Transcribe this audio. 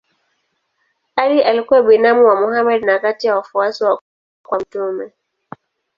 Ali alikuwa binamu wa Mohammed na kati ya wafuasi wa kwanza wa mtume.